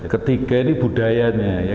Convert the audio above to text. ketiga ini budayanya ya